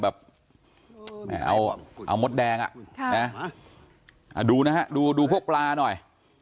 แบบเอามดแดงอ่ะดูนะครับดูพวกปลาน้อย